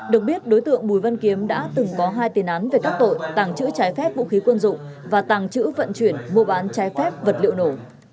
được biết đối tượng bùi văn kiếm đã từng có hai tiền án về các tội tàng trữ trái phép vũ khí quân dụng và tàng trữ vận chuyển mua bán trái phép vật liệu nổ